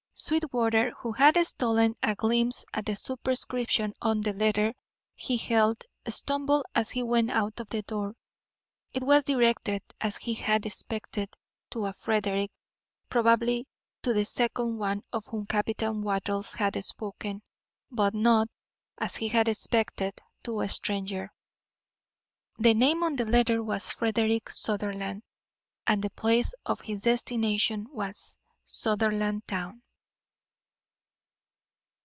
Sweetwater, who had stolen a glimpse at the superscription on the letter he held, stumbled as he went out of the door. It was directed, as he had expected, to a Frederick, probably to the second one of whom Captain Wattles had spoken, but not, as he had expected, to a stranger. The name on the letter was Frederick Sutherland, and the place of his destination was Sutherlandtown.